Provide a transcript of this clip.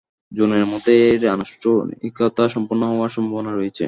জুনের মধ্যেই এর আনুষ্ঠানিকতা সম্পন্ন হওয়ার সম্ভাবনা রয়েছে।